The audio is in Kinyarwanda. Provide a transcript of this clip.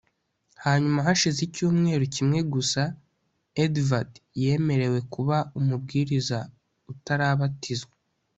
Hanyuma hashize icyumweru kimwe gusa Edvard yemerewe kuba umubwiriza utarabatizwa